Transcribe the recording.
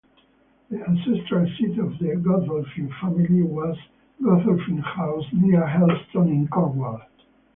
The ancestral seat of the Godolphin family was Godolphin House near Helston in Cornwall.